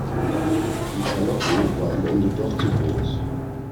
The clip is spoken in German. Die Verlockung war am Ende doch zu groß.